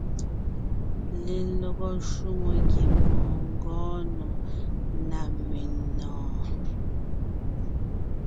Lelɔgɔ shwòŋo ngiembɔɔn ngɔɔn nò ná menɔ̀ɔn.